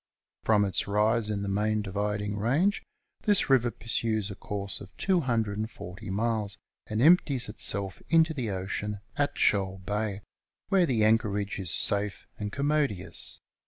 From its rise in the Main Dividing Range this river pursues a course of 240 miles, and empties itself into the ocean at Shoal Bay, where the anchorage is safe and commodious.